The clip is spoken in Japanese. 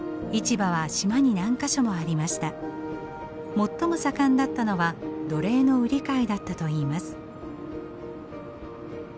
最も盛んだったのは奴隷の売り買いだったといいます。